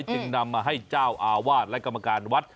จึงนำมาให้เจ้าอาวาสและกรรมการวัด